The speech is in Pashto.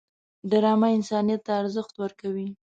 ډرامه انسانیت ته ارزښت ورکوي